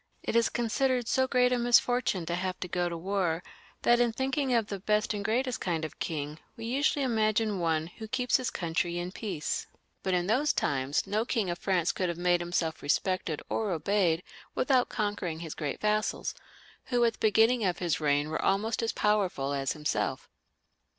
It is considered so great a misfortune to have to go to war, that in thinking of the best and greatest kind of king we usually imagine one who keeps his country in peace. But in those times no King of France could have made himself respected or obeyed without conquering his great vassals, who at the beginning of his reign were, as I said, almost as powerful as himself.